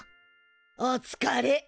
おつかれ。